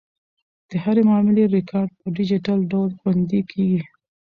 د هرې معاملې ریکارډ په ډیجیټل ډول خوندي کیږي.